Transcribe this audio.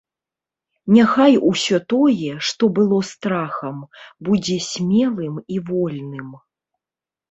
Няхай усё тое, што было страхам, будзе смелым і вольным.